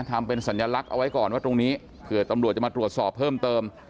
ทำเป็นสัญลักษณ์เอาไว้ก่อนว่าตรงนี้เผื่อตำรวจจะมาตรวจสอบเพิ่มเติม